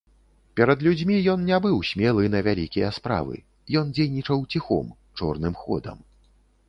Перад людзьмі ён не быў смелы на вялікія справы, ён дзейнічаў ціхом, чорным ходам.